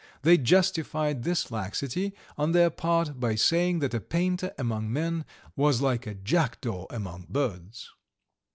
They justified this laxity on their part by saying that a painter among men was like a jackdaw among birds.